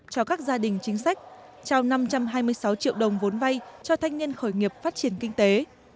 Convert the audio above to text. cho các gia đình chính sách trao năm trăm hai mươi sáu triệu đồng vốn vay cho thanh niên khởi nghiệp phát triển kinh tế